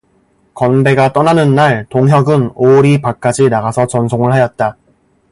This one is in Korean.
건배가 떠나는 날 동혁은 오 리 밖까지 나가서 전송을 하였다.